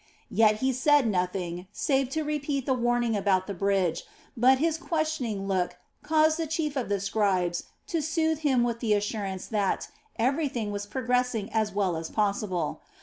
Yet he said nothing save to repeat the warning about the bridge, but his questioning look caused the chief of the scribes to soothe him with the assurance that everything was progressing as well as possible.